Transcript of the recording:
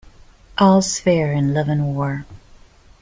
All's fair in love and war.